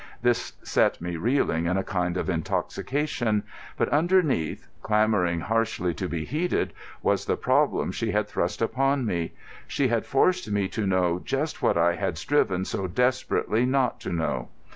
This set me reeling in a kind of intoxication. But underneath, clamouring harshly to be heeded, was the problem she had thrust upon me. She had forced me to know just what I had striven so desperately not to know.